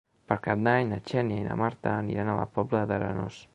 Per Cap d'Any na Xènia i na Marta aniran a la Pobla d'Arenós.